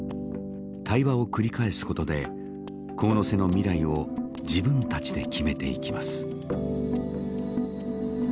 対話を繰り返すことで神瀬の未来を自分たちで決めていきます。